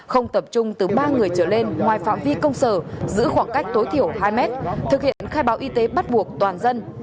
không tập trung từ ba người trở lên ngoài phạm vi công sở giữ khoảng cách tối thiểu hai mét thực hiện khai báo y tế bắt buộc toàn dân